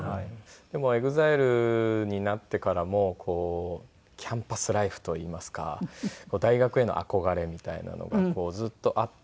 でもＥＸＩＬＥになってからもキャンパスライフといいますか大学への憧れみたいなのがずっとあって。